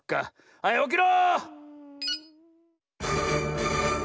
はいおきろ！